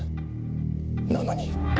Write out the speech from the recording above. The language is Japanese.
なのに。